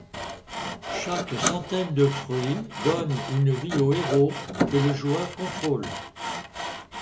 Chaque centaine de fruits donne une vie au héros que le joueur contrôle.